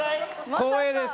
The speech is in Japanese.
光栄です。